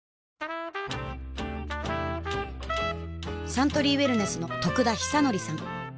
サントリーウエルネスの得田久敬さん